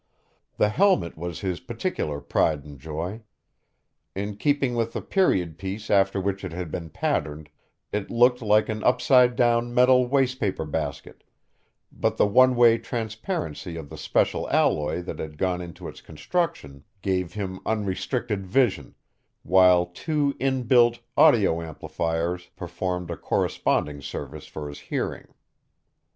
The helmet was his particular pride and joy: in keeping with the period piece after which it had been patterned, it looked like an upside down metal wastepaper basket, but the one way transparency of the special alloy that had gone into its construction gave him unrestricted vision, while two inbuilt audio amplifiers performed a corresponding service for his hearing.